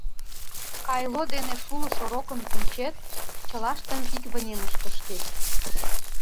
Кайло дене шулышо рокым кӱнчет, чылаштым ик вынемыш кышкет.